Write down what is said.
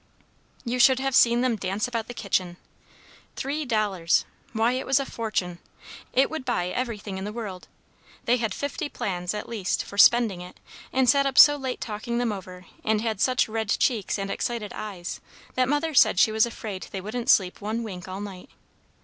You should have seen them dance about the kitchen! Three dollars! Why, it was a fortune! It would buy everything in the world! They had fifty plans, at least, for spending it; and sat up so late talking them over, and had such red cheeks and excited eyes, that Mother said she was afraid they wouldn't sleep one wink all night.